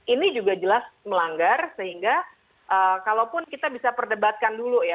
ini juga jelas melanggar sehingga kalaupun kita bisa perdebatkan dulu ya